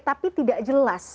tapi tidak jelas